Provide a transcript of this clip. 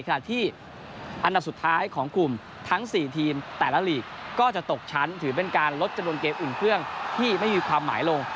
ขณะที่อันดับสุดท้ายของกลุ่มทั้ง๔ทีมแต่ละลีกก็จะตกชั้นถือเป็นการลดจำนวนเกมอื่นเครื่องที่ไม่มีความหมายลง